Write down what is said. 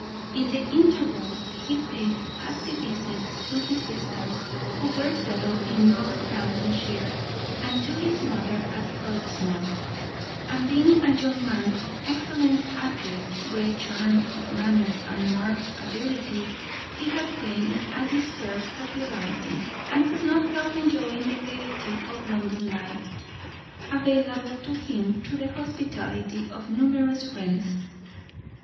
In the intervals he paid hasty visits to his sisters, who were settled in Northamptonshire, and to his mother at Portsmouth; and being a young man of excellent address, great charm of manner and marked abilities, he had gained a deserved popularity, and could not help enjoying the gaiety of London life, available to him through the hospitality of numerous friends.